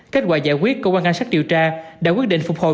kết quả giải quyết cơ quan an sát điều tra đã quyết định phục hồi